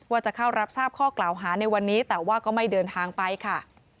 จะเข้ารับทราบข้อกล่าวหาในวันนี้แต่ว่าก็ไม่เดินทางไปค่ะ